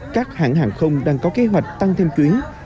các hãng hàng không đang có kế hoạch tăng thêm chuyến